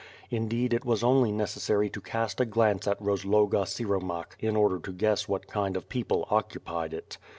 Indeed it was only necessary to cast a glance at Rozloga Siromakh in order to guess what kind of people occupied it.